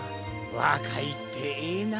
わかいってええな。